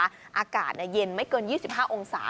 อากาศเย็นไม่เกิน๒๕องศา